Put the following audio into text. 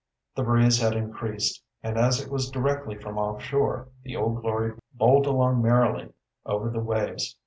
The breeze had increased, and as it was directly from off shore the Old Glory bowled along merrily over the waves.